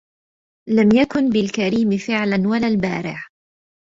لم يكن بالكريم فعلا ولا البارع